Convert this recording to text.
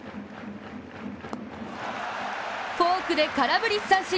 フォークで空振り三振。